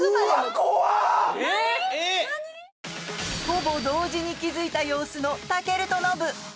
ほぼ同時に気づいた様子の健とノブ